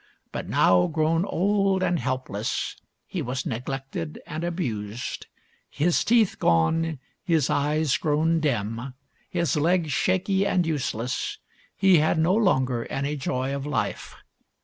But now, grown old and helpless, he was neglected and abused. His teeth gone, his eyes grown dim, his legs shaky and useless, he had no longer any joy of life.